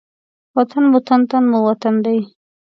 وطن مو تن، تن مو وطن دی.